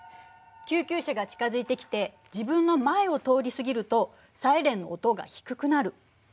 救急車が近づいてきて自分の前を通り過ぎるとサイレンの音が低くなる。